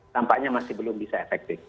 tampaknya masih belum bisa efektif